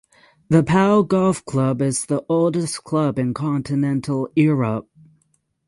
The Pau Golf Club is the oldest club in continental Europe.